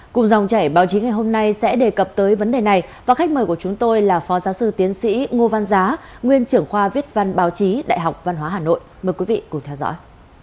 cùng dòng chảy báo chí ngày hôm nay sẽ đề cập tới vấn đề này và khách mời của chúng tôi là phó giáo sư tiến sĩ ngô văn giá nguyên trưởng khoa viết văn báo chí đại học văn hóa hà nội mời quý vị cùng theo dõi